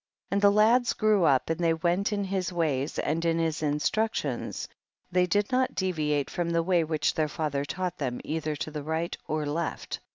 16. And the lads grew up and they went in his ways and in his in structions, they did not deviate from 158 THE BOOK OF JASHER. the way which their father taught them, either to the right or left.